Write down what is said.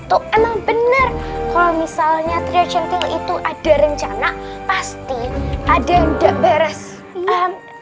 kalau misalnya larva cintaku kayak kalau misalnya triaya centil itu ada rencana dan itu itu ngebahana big federal fee dari mata tapi omongan butet values can't be spent so're all women are still on depression